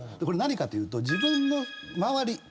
これ何かというと自分の周り